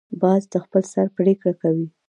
باز د خپل سر پریکړه کوي